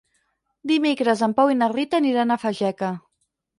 Dimecres en Pau i na Rita aniran a Fageca.